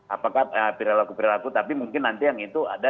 apakah perilaku perilaku tapi mungkin nanti yang itu ada